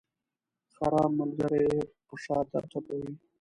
خراب ملګري یې په شاته ټپوي.